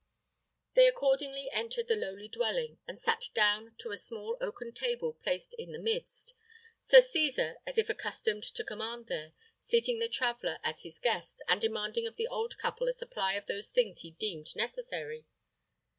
They accordingly entered the lowly dwelling, and sat down to a small oaken table placed in the midst; Sir Cesar, as if accustomed to command there, seating the traveller as his guest, and demanding of the old couple a supply of those things he deemed necessary.